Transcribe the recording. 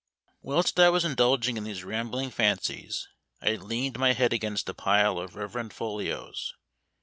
Whilst I was indulging in these rambling fancies I had leaned my head against a pile of reverend folios.